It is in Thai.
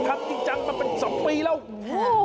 มันขับจริงจังมันเป็นสังปีแล้ว